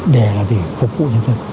để là để phục vụ nhân dân